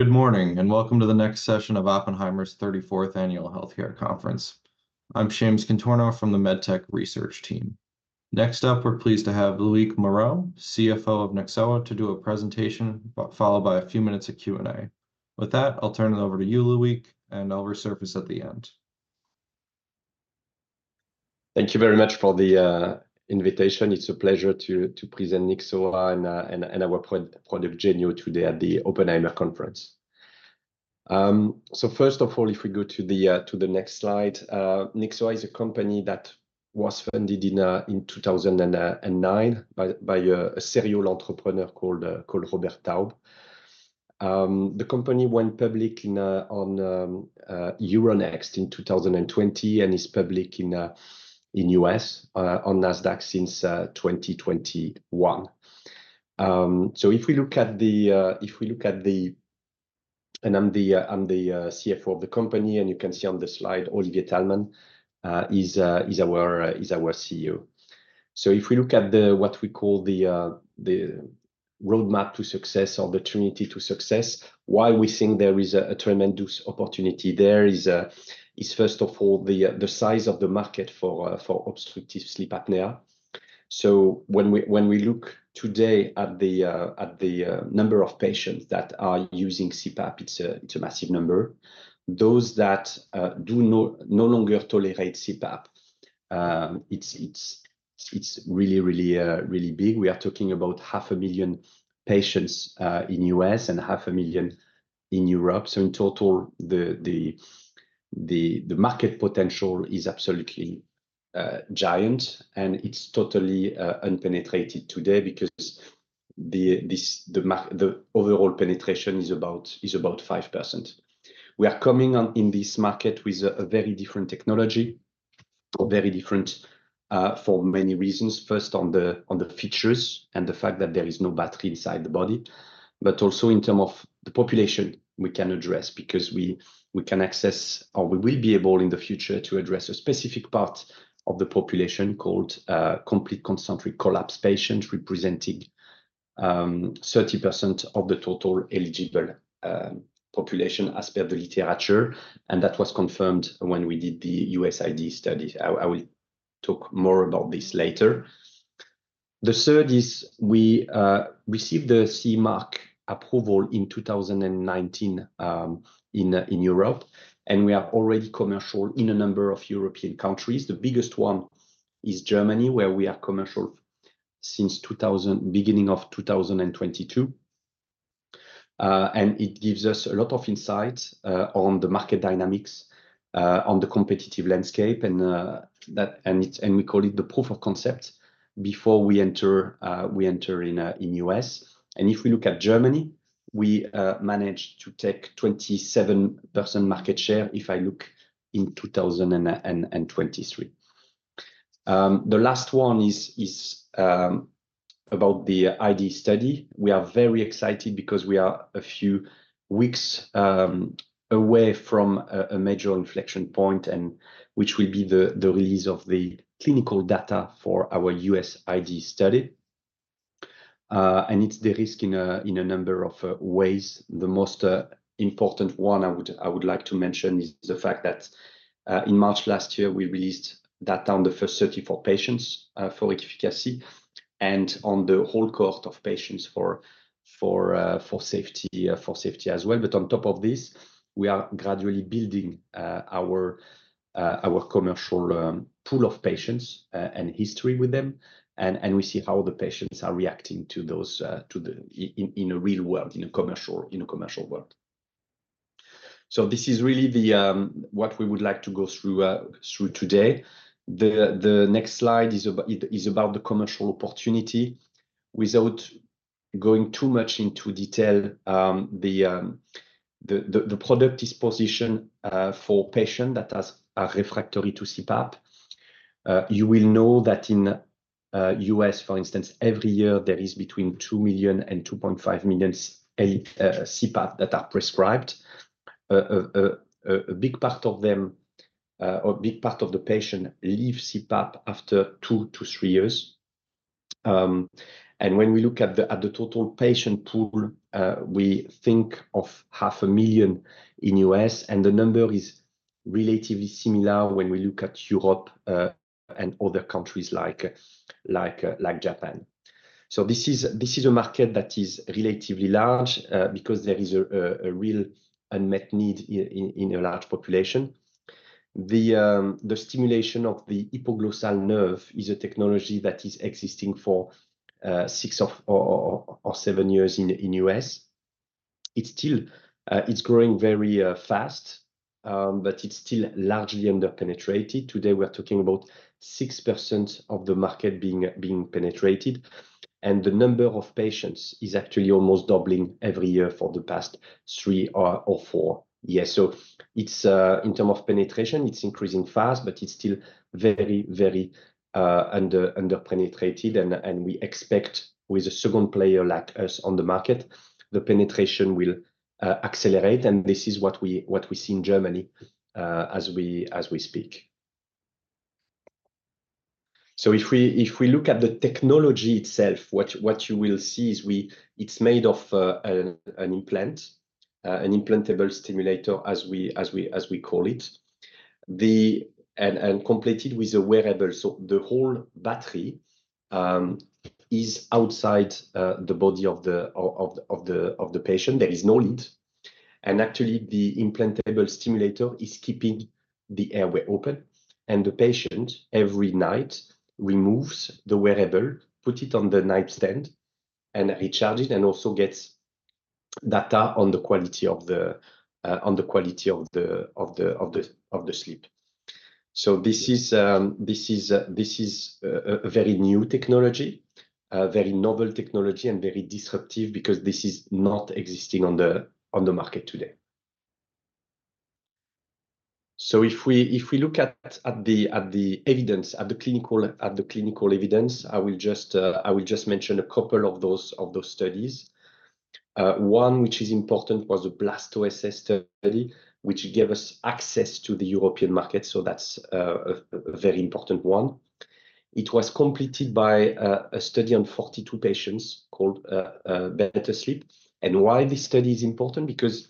Good morning and welcome to the next session of Oppenheimer's 34th Annual Healthcare Conference. I'm Shaymus Contorno from the MedTech Research Team. Next up, we're pleased to have Loïc Moreau, CFO of Nyxoah, to do a presentation followed by a few minutes of Q&A. With that, I'll turn it over to you, Loïc, and I'll resurface at the end. Thank you very much for the invitation. It's a pleasure to present Nyxoah and our product Genio today at the Oppenheimer Conference. So first of all, if we go to the next slide, Nyxoah is a company that was founded in 2009 by a serial entrepreneur called Robert Taub. The company went public on Euronext in 2020 and is public in the U.S. on Nasdaq since 2021. So, and I'm the CFO of the company, and you can see on the slide Olivier Taelman is our CEO. So if we look at what we call the roadmap to success or the Trinity to success, why we think there is a tremendous opportunity there is, first of all, the size of the market for obstructive sleep apnea. So when we look today at the number of patients that are using CPAP, it's a massive number. Those that do no longer tolerate CPAP, it's really, really big. We are talking about 500,000 patients in the U.S. and 500,000 in Europe. So in total, the market potential is absolutely giant, and it's totally unpenetrated today because the overall penetration is about 5%. We are coming in this market with a very different technology, very different for many reasons. First, on the features and the fact that there is no battery inside the body, but also in terms of the population we can address because we can access or we will be able in the future to address a specific part of the population called Complete Concentric Collapse patients, representing 30% of the total eligible population as per the literature, and that was confirmed when we did the ACCESS study. I will talk more about this later. The third is we received the CE Mark approval in 2019 in Europe, and we are already commercial in a number of European countries. The biggest one is Germany, where we are commercial since the beginning of 2022. And it gives us a lot of insights on the market dynamics, on the competitive landscape, and we call it the proof of concept before we enter in the U.S. If we look at Germany, we managed to take 27% market share if I look in 2023. The last one is about the IDE study. We are very excited because we are a few weeks away from a major inflection point, which will be the release of the clinical data for our U.S. IDE study. And it's a risk in a number of ways. The most important one I would like to mention is the fact that in March last year, we released data on the first 34 patients for efficacy and on the whole cohort of patients for safety as well. But on top of this, we are gradually building our commercial pool of patients and history with them, and we see how the patients are reacting to those in the real world, in a commercial world. So this is really what we would like to go through today. The next slide is about the commercial opportunity. Without going too much into detail, the product is positioned for patients that are refractory to CPAP. You will know that in the U.S., for instance, every year, there is between two million and 2.5 million CPAPs that are prescribed. A big part of them or a big part of the patients leave CPAP after two to three years. When we look at the total patient pool, we think of 500,000 in the U.S., and the number is relatively similar when we look at Europe and other countries like Japan. This is a market that is relatively large because there is a real unmet need in a large population. The stimulation of the hypoglossal nerve is a technology that is existing for six to seven years in the U.S. It's growing very fast, but it's still largely underpenetrated. Today, we're talking about 6% of the market being penetrated, and the number of patients is actually almost doubling every year for the past three or four years. So in terms of penetration, it's increasing fast, but it's still very, very underpenetrated, and we expect with a second player like us on the market, the penetration will accelerate, and this is what we see in Germany as we speak. So if we look at the technology itself, what you will see is it's made of an implant, an implantable stimulator, as we call it, and completed with a wearable. So the whole battery is outside the body of the patient. There is no lead. Actually, the implantable stimulator is keeping the airway open, and the patient, every night, removes the wearable, puts it on the nightstand, and recharges it, and also gets data on the quality of the sleep. So this is a very new technology, very novel technology, and very disruptive because this is not existing on the market today. So if we look at the evidence, at the clinical evidence, I will just mention a couple of those studies. One which is important was the BLAST OSA study, which gave us access to the European market, so that's a very important one. It was completed by a study on 42 patients called Better Sleep. And why this study is important? Because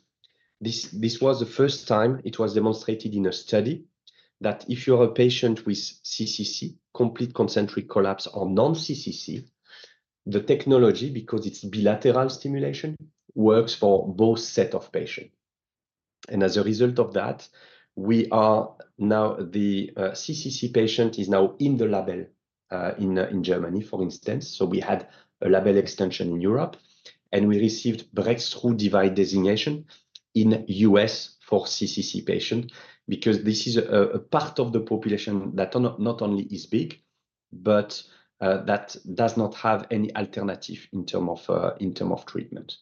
this was the first time it was demonstrated in a study that if you're a patient with CCC, complete concentric collapse, or non-CCC, the technology, because it's bilateral stimulation, works for both sets of patients. And as a result of that, we are now the CCC patient is now in the label in Germany, for instance. So we had a label extension in Europe, and we received Breakthrough Device Designation in the U.S. for CCC patients because this is a part of the population that not only is big, but that does not have any alternative in terms of treatment.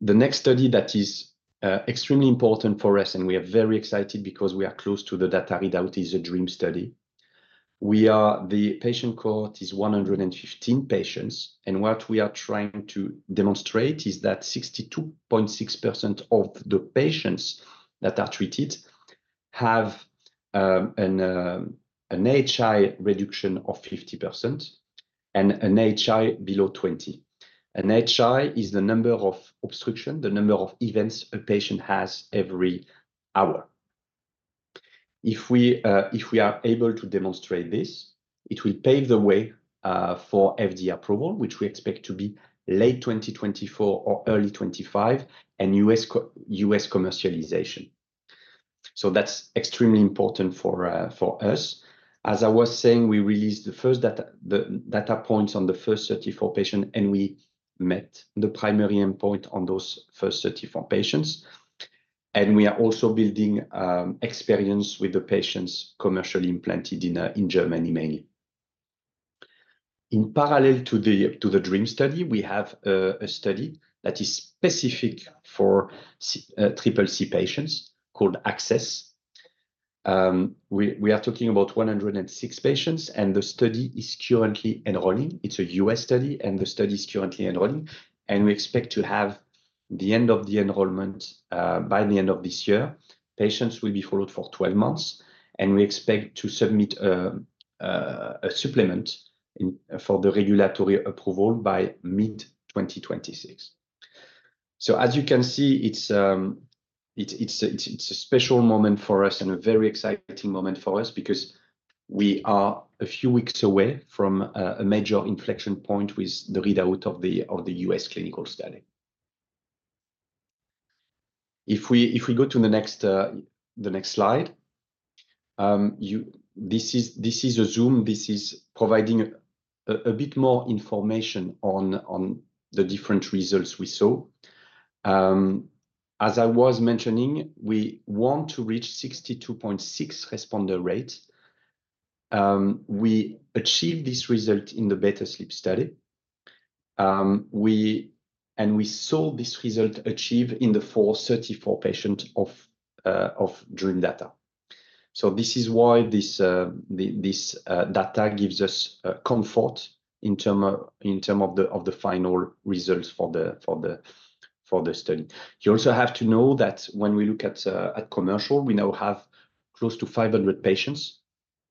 The next study that is extremely important for us, and we are very excited because we are close to the data readout, is a DREAM study. The patient cohort is 115 patients, and what we are trying to demonstrate is that 62.6% of the patients that are treated have an AHI reduction of 50% and an AHI below 20. An AHI is the number of obstructions, the number of events a patient has every hour. If we are able to demonstrate this, it will pave the way for FDA approval, which we expect to be late 2024 or early 2025, and U.S. commercialization. So that's extremely important for us. As I was saying, we released the first data points on the first 34 patients, and we met the primary endpoint on those first 34 patients. We are also building experience with the patients commercially implanted in Germany, mainly. In parallel to the DREAM study, we have a study that is specific for CCC patients called ACCESS. We are talking about 106 patients, and the study is currently enrolling. It's a U.S. study, and the study is currently enrolling. We expect to have the end of the enrollment by the end of this year. Patients will be followed for 12 months, and we expect to submit a supplement for the regulatory approval by mid-2026. As you can see, it's a special moment for us and a very exciting moment for us because we are a few weeks away from a major inflection point with the readout of the U.S. clinical study. If we go to the next slide, this is a zoom. This is providing a bit more information on the different results we saw. As I was mentioning, we want to reach 62.6 responder rates. We achieved this result in the BETTER SLEEP study, and we saw this result achieved in the 434 patients of DREAM data. So this is why this data gives us comfort in terms of the final results for the study. You also have to know that when we look at commercial, we now have close to 500 patients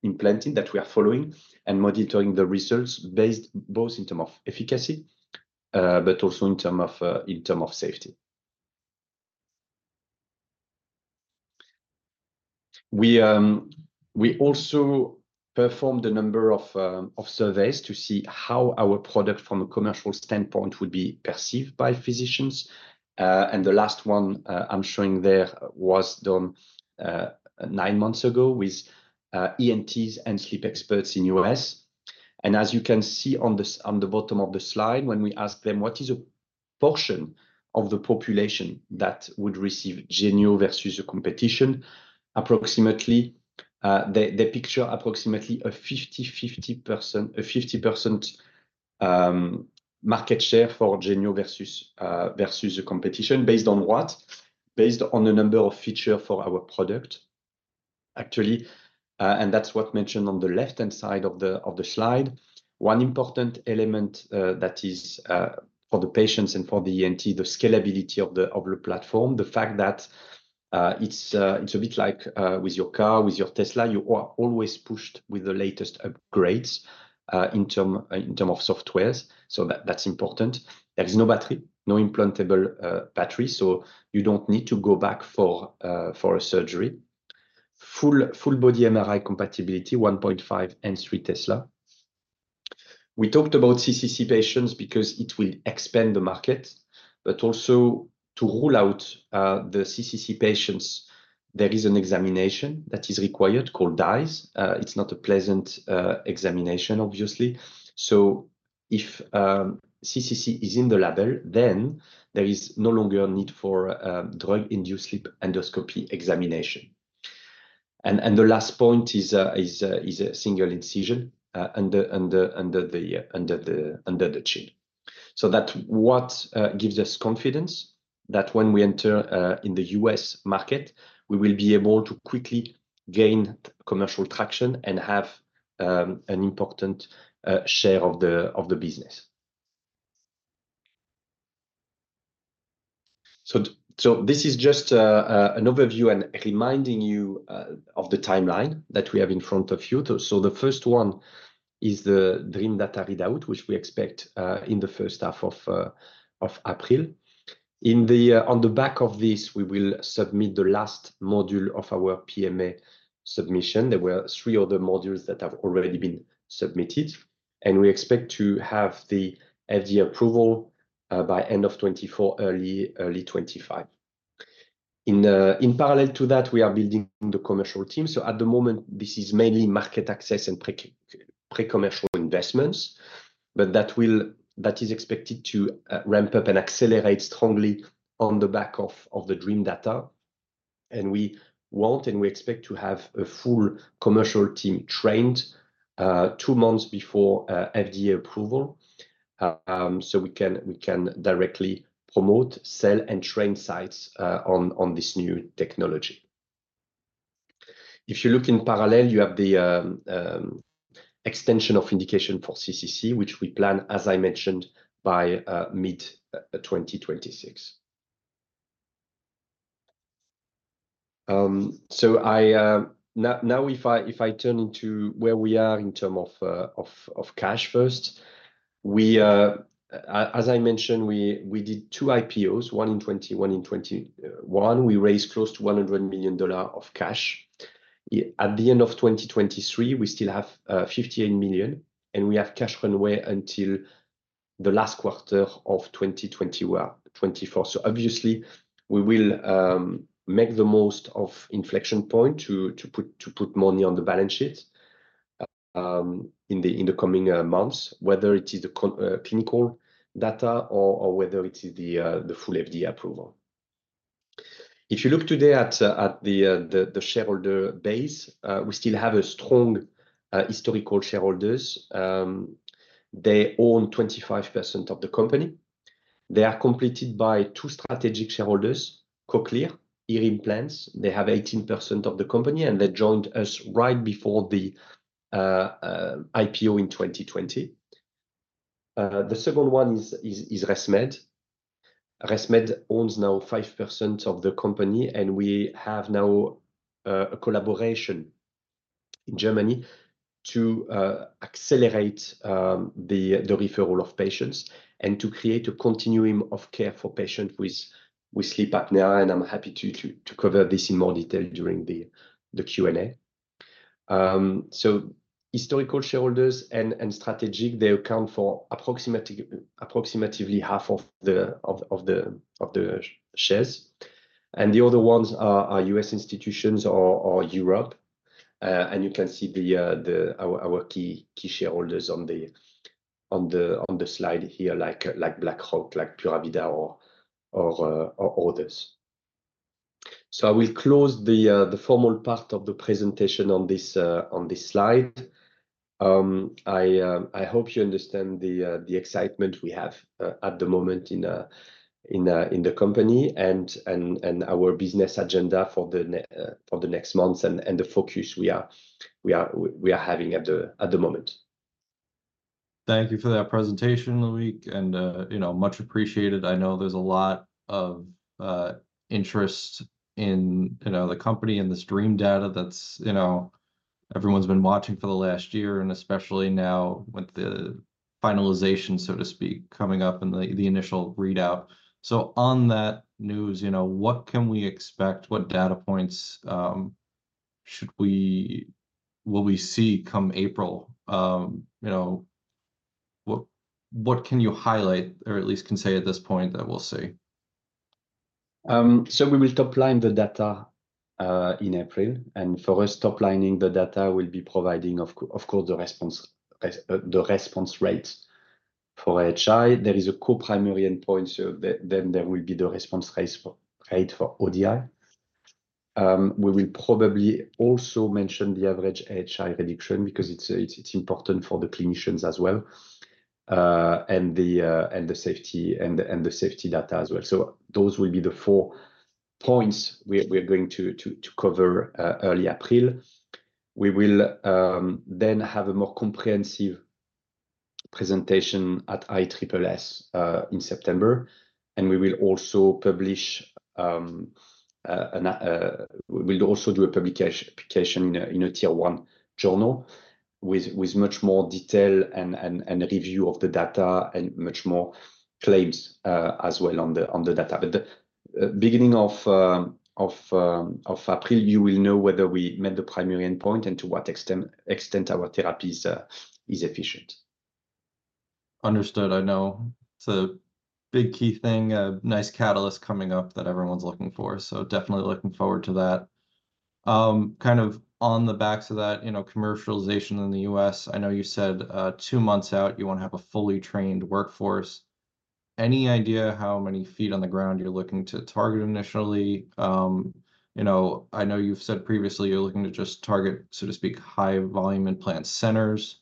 implanted that we are following and monitoring the results based both in terms of efficacy but also in terms of safety. We also performed a number of surveys to see how our product from a commercial standpoint would be perceived by physicians. And the last one I'm showing there was done nine months ago with ENTs and sleep experts in the U.S. And as you can see on the bottom of the slide, when we asked them what is a portion of the population that would receive Genio versus the competition, they pictured approximately a 50% market share for Genio versus the competition based on what? Based on the number of features for our product, actually. And that's what's mentioned on the left-hand side of the slide. One important element that is for the patients and for the ENT, the scalability of the platform, the fact that it's a bit like with your car, with your Tesla, you are always pushed with the latest upgrades in terms of software. So that's important. There is no battery, no implantable battery, so you don't need to go back for a surgery. Full body MRI compatibility, 1.5 and 3 Tesla. We talked about CCC patients because it will expand the market, but also to rule out the CCC patients, there is an examination that is required called DISE. It's not a pleasant examination, obviously. So if CCC is in the label, then there is no longer a need for drug-induced sleep endoscopy examination. And the last point is a single incision under the chin. So that's what gives us confidence that when we enter in the U.S. market, we will be able to quickly gain commercial traction and have an important share of the business. So this is just an overview and reminding you of the timeline that we have in front of you. So the first one is the DREAM data readout, which we expect in the first half of April. On the back of this, we will submit the last module of our PMA submission. There were three other modules that have already been submitted, and we expect to have the FDA approval by end of 2024, early 2025. In parallel to that, we are building the commercial team. At the moment, this is mainly market access and pre-commercial investments, but that is expected to ramp up and accelerate strongly on the back of the DREAM data. We want and we expect to have a full commercial team trained two months before FDA approval so we can directly promote, sell, and train sites on this new technology. If you look in parallel, you have the extension of indication for CCC, which we plan, as I mentioned, by mid-2026. Now if I turn into where we are in terms of cash first, as I mentioned, we did two IPOs, one in 2020, one in 2021. We raised close to $100 million of cash. At the end of 2023, we still have $58 million, and we have cash runway until the last quarter of 2024. So obviously, we will make the most of inflection points to put money on the balance sheet in the coming months, whether it is the clinical data or whether it is the full FDA approval. If you look today at the shareholder base, we still have strong historical shareholders. They own 25% of the company. They are completed by two strategic shareholders, Cochlear and ear implants. They have 18% of the company, and they joined us right before the IPO in 2020. The second one is ResMed. ResMed owns now 5% of the company, and we have now a collaboration in Germany to accelerate the referral of patients and to create a continuum of care for patients with sleep apnea. I'm happy to cover this in more detail during the Q&A. Historical shareholders and strategic, they account for approximately half of the shares. The other ones are U.S. institutions or Europe. You can see our key shareholders on the slide here, like BlackRock, like Pura Vida, or others. I will close the formal part of the presentation on this slide. I hope you understand the excitement we have at the moment in the company and our business agenda for the next months and the focus we are having at the moment. Thank you for that presentation, Loïc, and much appreciated. I know there's a lot of interest in the company and this DREAM data that everyone's been watching for the last year, and especially now with the finalization, so to speak, coming up and the initial readout. So on that news, what can we expect? What data points will we see come April? What can you highlight or at least can say at this point that we'll see? So we will topline the data in April. For us, toplining the data will be, of course, the response rate for AHI. There is a co-primary endpoint, so then there will be the response rate for ODI. We will probably also mention the average AHI reduction because it's important for the clinicians as well and the safety data as well. Those will be the four points we're going to cover early April. We will then have a more comprehensive presentation at ISSS in September, and we will also publish. We'll also do a publication in a tier one journal with much more detail and review of the data and much more claims as well on the data. But the beginning of April, you will know whether we met the primary endpoint and to what extent our therapy is efficient. Understood. I know. It's a big key thing, a nice catalyst coming up that everyone's looking for. So definitely looking forward to that. Kind of on the backs of that commercialization in the U.S., I know you said 2 months out, you want to have a fully trained workforce. Any idea how many feet on the ground you're looking to target initially? I know you've said previously you're looking to just target, so to speak, high-volume implant centers.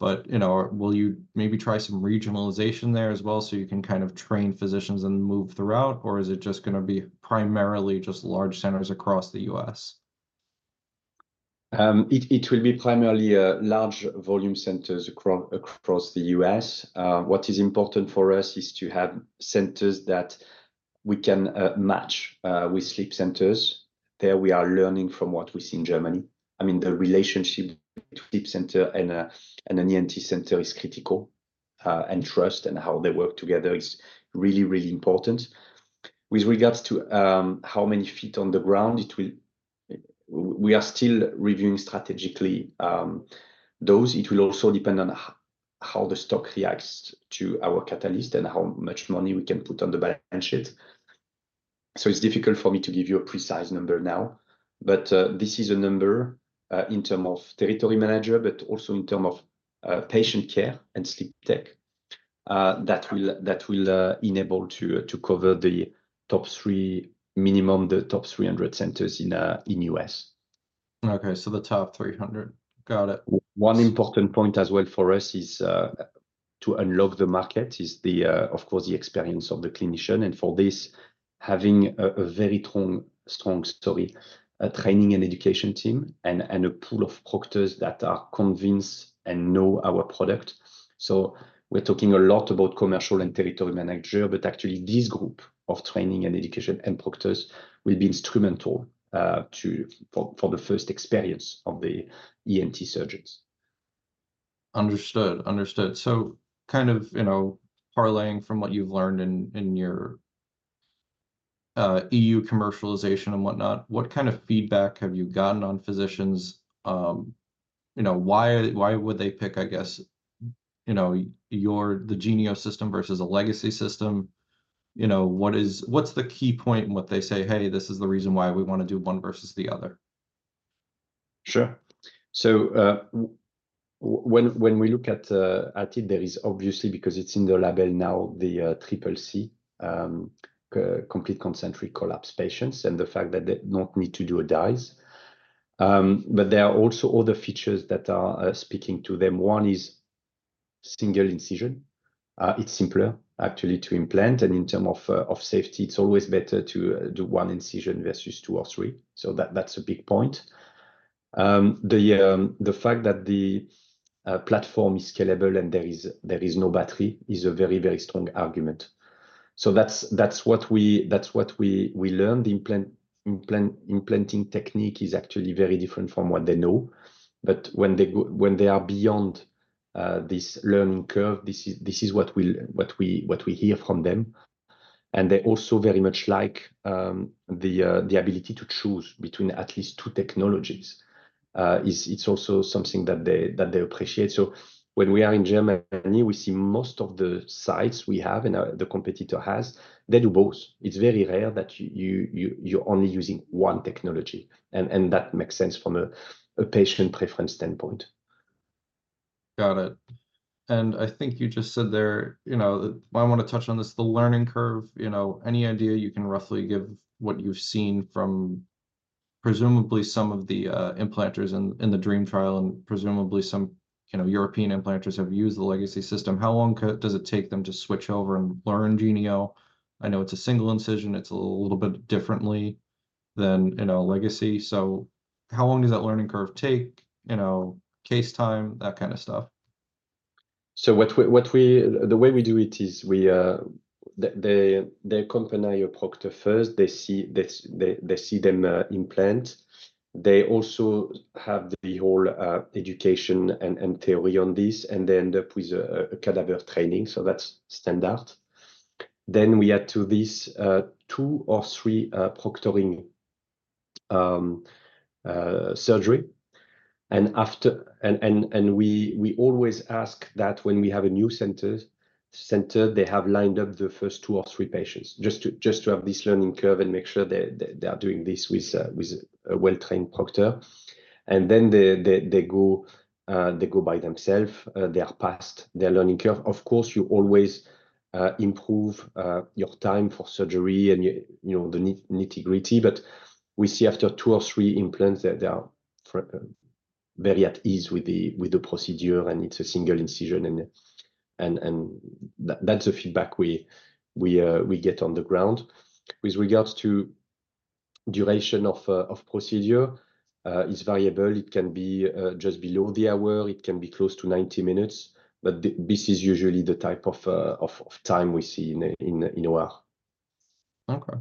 But will you maybe try some regionalization there as well so you can kind of train physicians and move throughout? Or is it just going to be primarily just large centers across the U.S.? It will be primarily large volume centers across the U.S. What is important for us is to have centers that we can match with sleep centers. There, we are learning from what we see in Germany. I mean, the relationship between a sleep center and an ENT center is critical, and trust and how they work together is really, really important. With regards to how many feet on the ground, we are still reviewing strategically those. It will also depend on how the stock reacts to our catalyst and how much money we can put on the balance sheet. So it's difficult for me to give you a precise number now. But this is a number in terms of territory manager, but also in terms of patient care and sleep tech that will enable to cover the top three, minimum the top 300 centers in the U.S. Okay, so the top 300. Got it. One important point as well for us is to unlock the market, of course, the experience of the clinician. And for this, having a very strong story, a training and education team, and a pool of proctors that are convinced and know our product. So we're talking a lot about commercial and territory manager, but actually, this group of training and education and proctors will be instrumental for the first experience of the ENT surgeons. Understood. Understood. So kind of parlaying from what you've learned in your EU commercialization and whatnot, what kind of feedback have you gotten on physicians? Why would they pick, I guess, the Genio system versus a legacy system? What's the key point in what they say, "Hey, this is the reason why we want to do one versus the other"? Sure. So when we look at it, there is obviously, because it's in the label now, the CCC, complete concentric collapse patients, and the fact that they don't need to do a DISE. But there are also other features that are speaking to them. One is single incision. It's simpler, actually, to implant. And in terms of safety, it's always better to do one incision versus two or three. So that's a big point. The fact that the platform is scalable and there is no battery is a very, very strong argument. So that's what we learned. The implanting technique is actually very different from what they know. But when they are beyond this learning curve, this is what we hear from them. And they also very much like the ability to choose between at least two technologies. It's also something that they appreciate. When we are in Germany, we see most of the sites we have and the competitor has, they do both. It's very rare that you're only using one technology. That makes sense from a patient preference standpoint. Got it. And I think you just said there I want to touch on this, the learning curve. Any idea you can roughly give what you've seen from presumably some of the implanters in the DREAM trial and presumably some European implanters have used the legacy system? How long does it take them to switch over and learn Genio? I know it's a single incision. It's a little bit differently than legacy. So how long does that learning curve take, case time, that kind of stuff? The way we do it is they accompany your proctor first. They see them implant. They also have the whole education and theory on this and they end up with a cadaver training. That's standard. Then we add to this two or three proctoring surgeries. We always ask that when we have a new center, they have lined up the first two or three patients just to have this learning curve and make sure they are doing this with a well-trained proctor. Then they go by themselves. They are past their learning curve. Of course, you always improve your time for surgery and the nitty-gritty. But we see after two or three implants, they are very at ease with the procedure, and it's a single incision. That's the feedback we get on the ground. With regards to duration of procedure, it's variable. It can be just below the hour. It can be close to 90 minutes. But this is usually the type of time we see in an hour. Okay.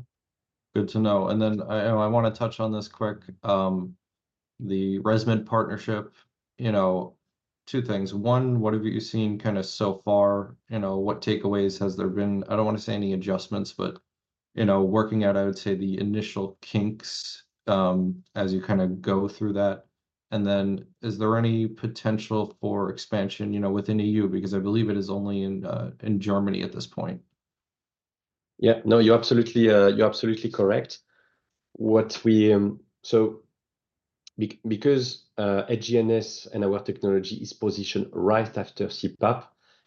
Good to know. And then I want to touch on this quick, the ResMed partnership, two things. One, what have you seen kind of so far? What takeaways has there been? I don't want to say any adjustments, but working out, I would say, the initial kinks as you kind of go through that. And then is there any potential for expansion within EU? Because I believe it is only in Germany at this point. Yeah. No, you're absolutely correct. So because HGNS and our technology is positioned right after CPAP,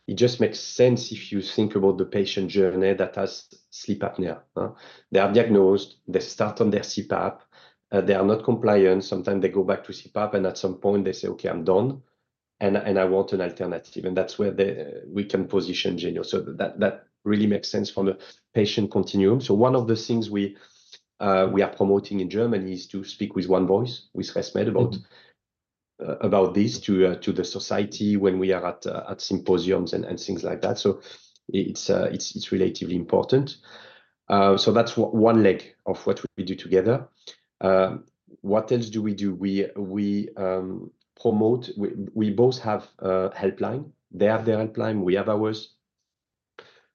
it just makes sense if you think about the patient journey that has sleep apnea. They are diagnosed. They start on their CPAP. They are not compliant. Sometimes they go back to CPAP. And at some point, they say, "OK, I'm done. And I want an alternative." And that's where we can position Genio. So that really makes sense from a patient continuum. So one of the things we are promoting in Germany is to speak with one voice, with ResMed, about this, to the society when we are at symposiums and things like that. So it's relatively important. So that's one leg of what we do together. What else do we do? We both have a helpline. They have their helpline. We have ours.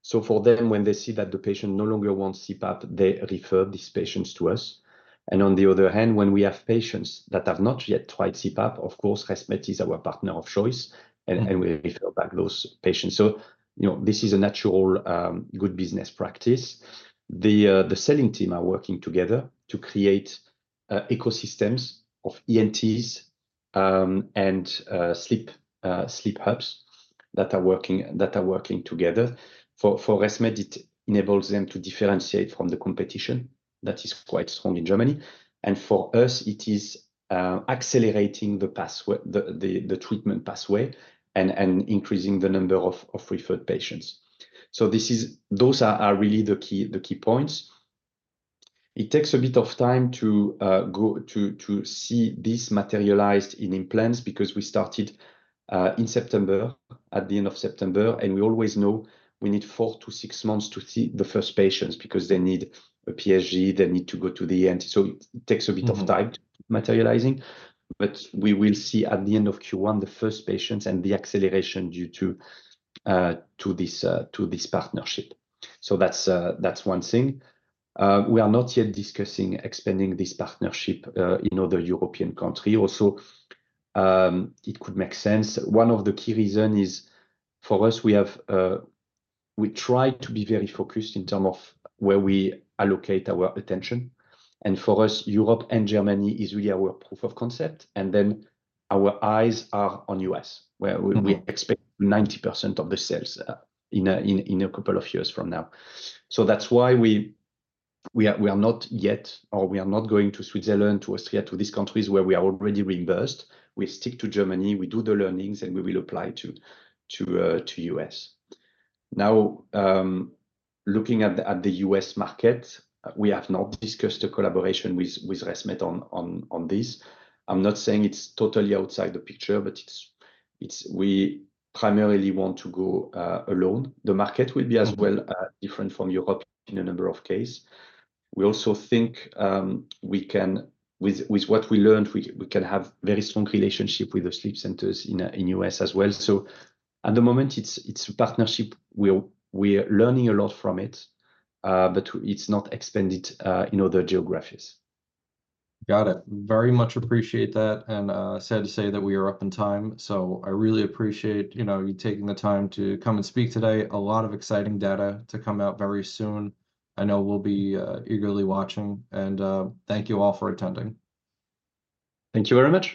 So for them, when they see that the patient no longer wants CPAP, they refer these patients to us. On the other hand, when we have patients that have not yet tried CPAP, of course, ResMed is our partner of choice. We refer back those patients. So this is a natural good business practice. The selling team are working together to create ecosystems of ENTs and sleep hubs that are working together. For ResMed, it enables them to differentiate from the competition that is quite strong in Germany. For us, it is accelerating the treatment pathway and increasing the number of referred patients. So those are really the key points. It takes a bit of time to see this materialized in implants because we started in September, at the end of September. We always know we need four to six months to see the first patients because they need a PCP. They need to go to the ENT. So it takes a bit of time materializing. But we will see at the end of Q1 the first patients and the acceleration due to this partnership. So that's one thing. We are not yet discussing expanding this partnership in other European countries. Also, it could make sense. One of the key reasons is, for us, we try to be very focused in terms of where we allocate our attention. And for us, Europe and Germany is really our proof of concept. And then our eyes are on the U.S., where we expect 90% of the sales in a couple of years from now. So that's why we are not yet or we are not going to Switzerland, to Austria, to these countries where we are already reimbursed. We stick to Germany. We do the learnings, and we will apply to the U.S. Now, looking at the U.S. market, we have not discussed a collaboration with ResMed on this. I'm not saying it's totally outside the picture, but we primarily want to go alone. The market will be as well different from Europe in a number of cases. We also think we can, with what we learned, we can have a very strong relationship with the sleep centers in the U.S. as well. So at the moment, it's a partnership. We're learning a lot from it, but it's not expanded in other geographies. Got it. Very much appreciate that. Sad to say that we are up in time. I really appreciate you taking the time to come and speak today. A lot of exciting data to come out very soon. I know we'll be eagerly watching. Thank you all for attending. Thank you, very much.